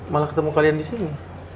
malah ketemu kalian disini